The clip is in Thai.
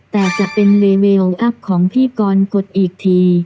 แต่จะเป็นรีเวลอัพของพี่กรกฎอีกที